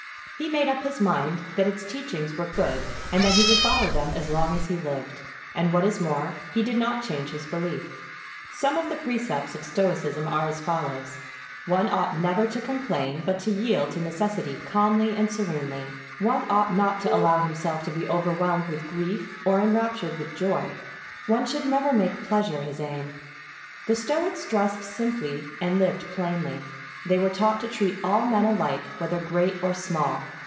He made up his mind that its teachings were 5" ROME good and that he would follow them as long as he lived; and, what is more, he did not change his belief. Some of the precepts of stoicism are as follows: One ought never to complain, but to yield to necessity calmly and serenely; one ought not to allow himself to be over whelmed with grief or enraptured with joy; one should never make pleasure his aim. The stoics dressed simply and lived plainly. They were taught to treat all men alike, whether great or small.